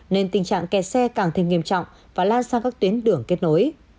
nên tình trạng kè xe càng thêm nghiêm trọng và lan sang các tuyến đường kết nối